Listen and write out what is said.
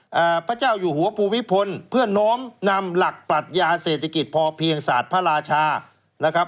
พระเจ้าอยู่หัวภูมิพลเพื่อน้อมนำหลักปรัชญาเศรษฐกิจพอเพียงศาสตร์พระราชานะครับ